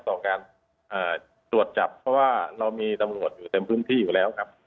ต่อการตรวจจับเพราะว่าเรามีตำรวจอยู่เต็มพื้นที่อยู่แล้วครับ